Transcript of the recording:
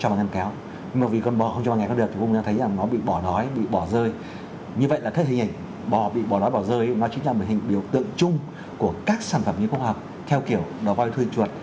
và chính là một hình biểu tượng chung của các sản phẩm nghiên cứu học theo kiểu đòi voi thuê chuột